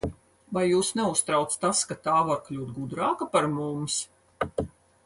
Vai jūs neuztrauc tas, ka tā var kļūt gudrāka par mums?